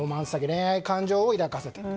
恋愛感情を抱かせる。